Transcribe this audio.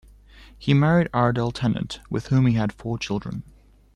He married Ardell Tennant with whom he had four children.